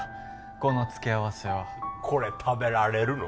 この付け合わせはこれ食べられるの？